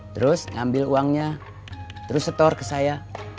terus ngambil uangnya terus setor ke saya